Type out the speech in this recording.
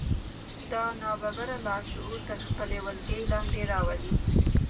دا ناببره لاشعور تر خپلې ولکې لاندې راولي